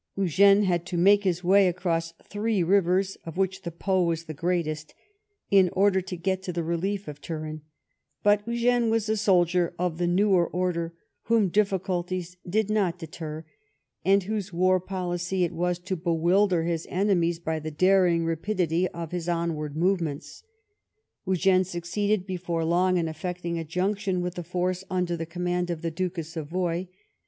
Eugene had to make his way across three rivers, of which the Po was the greatest, in order to get to the relief of Turin, but Eugene was a soldier of the newer order whom difficulties did not deter and whose war policy it was to bewilder his enemies by the daring ra pidity of his onward movements. Eugene succeeded before long in effecting a junction with the force under the command of the Duke of Savoy.